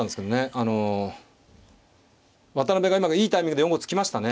あの渡辺が今いいタイミングで４五歩突きましたね。